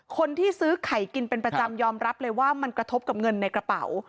คนที่ซื้อไข่กินเป็นประจำยอมรับเลยว่ามันกระทบกับเงินในกระเป๋า